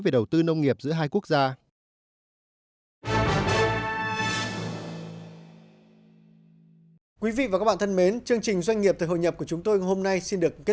về đầu tư nông nghiệp giữa hai quốc gia